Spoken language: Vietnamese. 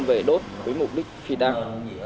với mục đích phi đăng